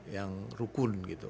yang rukun gitu